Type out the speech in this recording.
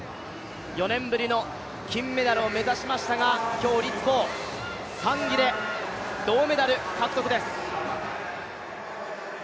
４年ぶりの金メダルを目指しましたが鞏立コウ、３位で銅メダル獲得です。